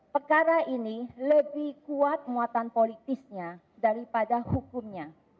perkara ini lebih kuat muatan politisnya daripada hukumnya